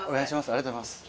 ありがとうございます。